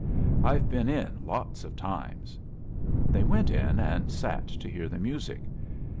Fve been in lots of times." They went in and sat to hear the music.